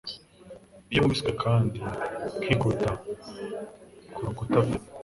Iyo nkubiswe kandi nkikubita ku rukuta pe